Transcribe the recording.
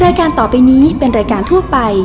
รายการต่อไปนี้เป็นรายการทั่วไป